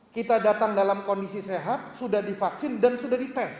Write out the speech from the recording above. kita datang dalam kondisi sehat sudah divaksin dan sudah dites